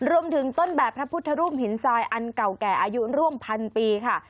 ต้นแบบพระพุทธรูปหินทรายอันเก่าแก่อายุร่วมพันปีค่ะ